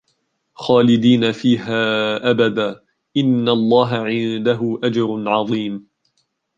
خَالِدِينَ فِيهَا أَبَدًا إِنَّ اللَّهَ عِنْدَهُ أَجْرٌ عَظِيمٌ